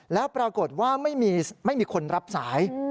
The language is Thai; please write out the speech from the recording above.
แล้วปรากฏว่าไม่มีคนรับสาย